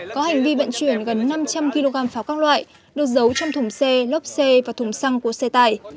có hành vi vận chuyển gần năm trăm linh kg pháo các loại được giấu trong thùng xe lốp xe và thùng xăng của xe tải